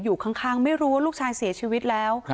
อยู่ข้างไม่รู้ว่าลูกชายเสียชีวิตแล้ว